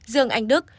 dương anh đức